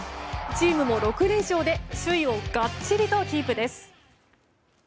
チームも６連勝で首位をがっちりとキープです。